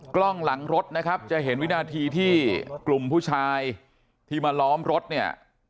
กล้องหลังรถนะครับจะเห็นวินาทีที่กลุ่มผู้ชายที่มาล้อมรถเนี่ย